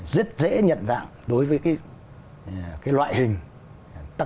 rất dễ nhận dạng đối với cái loại hình